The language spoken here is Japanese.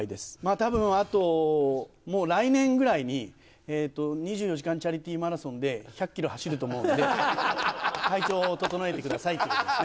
たぶん、あともう来年ぐらいに、２４時間チャリティーマラソンで、１００キロ走ると思うんで、体調を整えてくださいということですね。